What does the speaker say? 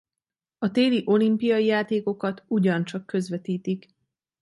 A téli olimpiai játékokat ugyancsak közvetítik.